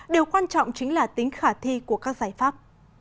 điều quan trọng chính là tính khả thi của các giải pháp